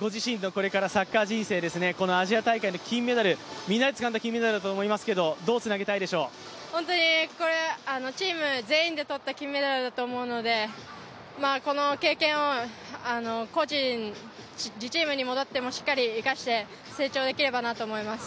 ご自身のサッカー人生にこのアジア大会のみんなでつかんだ金メダルだと思いますけどチーム全員で取った金メダルだと思うのでこの経験を個人、自チームに戻っても生かして、成長できればなと思います。